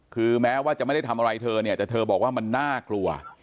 คือแม้ว่าจะไม่ได้ทำอะไรเธอเนี่ยแต่เธอบอกว่ามันน่ากลัว